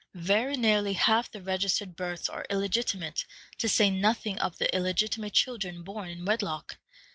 Very nearly half the registered births are illegitimate, to say nothing of the illegitimate children born in wedlock.